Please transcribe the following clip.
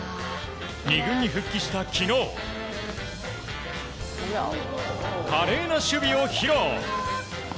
２軍に復帰した昨日華麗な守備を披露。